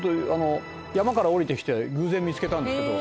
「山から下りてきて偶然見つけたんですけど」